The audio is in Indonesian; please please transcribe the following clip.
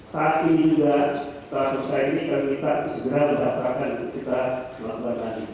saat ini juga setelah selesai ini kami minta segera mendapatkan untuk kita melakukan lagi